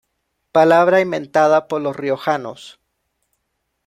Palabra inventada por los riojanos